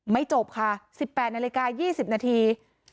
จบค่ะ๑๘นาฬิกา๒๐นาที